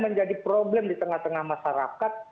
menjadi problem di tengah tengah masyarakat